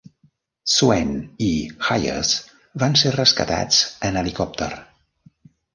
Swain i Hires van ser rescatats en helicòpter.